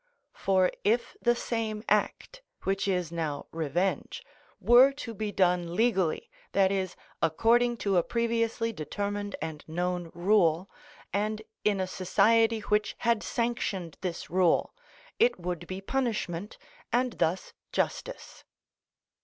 For if the same act, which is now revenge, were to be done legally, that is, according to a previously determined and known rule, and in a society which had sanctioned this rule, it would be punishment, and thus justice.